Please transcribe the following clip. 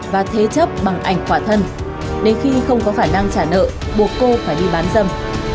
và thế chấp bằng ảnh quả thân đến khi không có khả năng trả nợ buộc cô phải đi bán dâm